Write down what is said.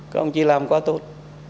các ông chỉ làm quá tốt